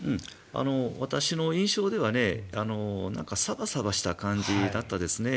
私の印象ではサバサバした感じでしたね。